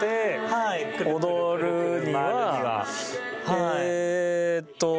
えーっと。